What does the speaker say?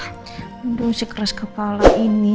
ah mending si keras kepala ini